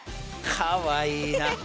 かわいいな。